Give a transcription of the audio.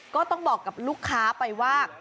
ก็ต้องบอกกับลูกค้าไปว่า